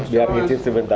biar ngicip sebentar